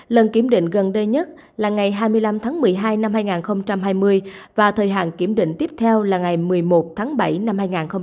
lần kiểm định gần đây nhất là ngày hai mươi năm tháng một mươi hai năm hai nghìn hai mươi và thời hạn kiểm định tiếp theo là ngày một mươi một tháng bảy năm hai nghìn hai mươi